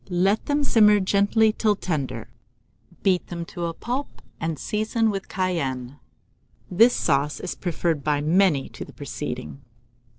Let them simmer gently till tender; beat them to a pulp, and season with cayenne. This sauce is preferred by many to the preceding.